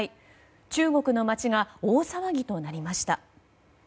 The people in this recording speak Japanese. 中国の街が大騒ぎとなりました。